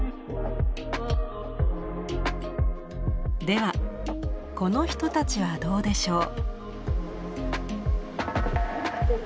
ではこの人たちはどうでしょう。